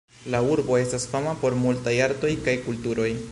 La urbo estas fama por multaj artoj kaj kulturoj.